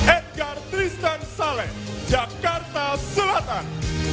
edgar tristan saleh jakarta selatan